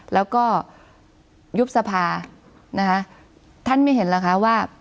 แล้วก็ยุบสภานะคะท่านไม่เห็นเหรอคะว่า